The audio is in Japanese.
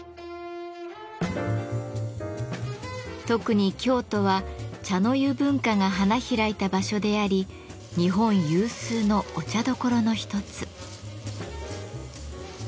特に京都は茶の湯文化が花開いた場所であり日本有数のお茶どころの一つ。